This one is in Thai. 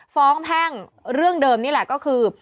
แพ่งเรื่องเดิมนี่แหละก็คือ